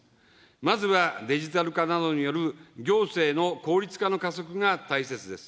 まずはデジタル化などによる行政の効率化の加速が大切です。